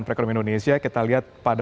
perekonomian indonesia kita lihat pada